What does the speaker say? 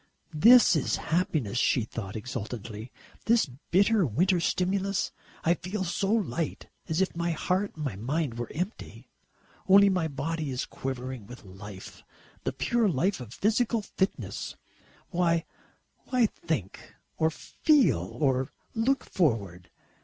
"This is happiness," she thought exultantly, "this bitter winter stimulus I feel so light as if my heart and mind were empty only my body is quivering with life the pure life of physical fitness. Why think, or feel, or look forward?"